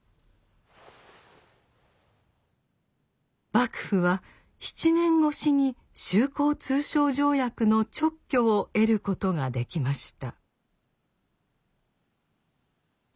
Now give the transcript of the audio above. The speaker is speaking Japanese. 幕府は７年越しに修好通商条約の勅許を得ることができました。